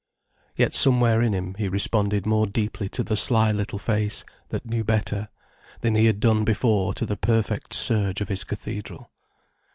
Yet somewhere in him he responded more deeply to the sly little face that knew better, than he had done before to the perfect surge of his cathedral.